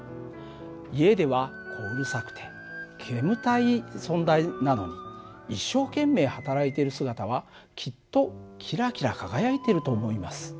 家ではこうるさくて煙たい存在なのに一生懸命働いている姿はきっとキラキラ輝いていると思います。